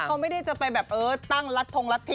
ก็ไม่ได้จะไปแบบตั้งรัดทรงรัดทิ